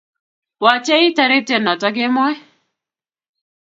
Wachei toritie noto kemoi